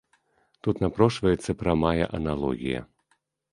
Тут напрошваецца прамая аналогія.